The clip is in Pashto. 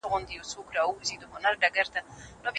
واورې په چټکۍ سره ویلې کېږي.